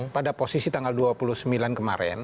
pada posisi tanggal dua puluh sembilan kemarin